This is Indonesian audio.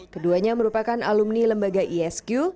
keduanya merupakan alumni lembaga isq